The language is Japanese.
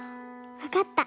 わかった。